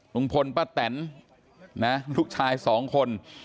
ลุงพลป้าแตนนะลูกชายสองคน